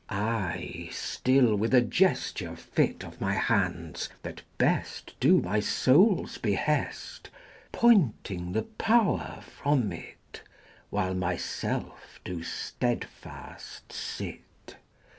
I, still with a gesture fit Of my hands that best Do my soul's behest, Pointing the power from it, While myself do steadfast sit XIII.